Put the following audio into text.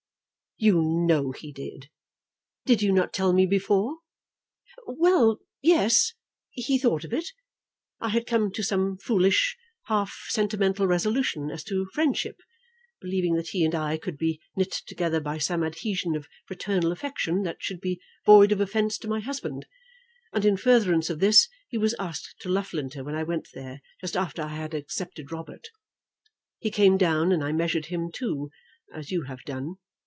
"You know he did. Did you not tell me before?" "Well; yes. He thought of it. I had come to some foolish, half sentimental resolution as to friendship, believing that he and I could be knit together by some adhesion of fraternal affection that should be void of offence to my husband; and in furtherance of this he was asked to Loughlinter when I went there, just after I had accepted Robert. He came down, and I measured him too, as you have done.